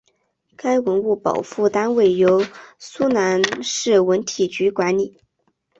该文物保护单位由舒兰市文体局管理。